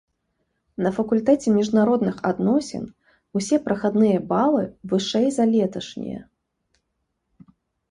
На факультэце міжнародных адносін усе прахадныя балы вышэй за леташнія.